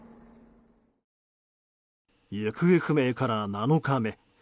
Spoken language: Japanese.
行方不明から７日目。